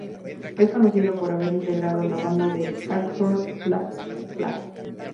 Es conocida por haber integrado la banda de "hardcore" Black Flag.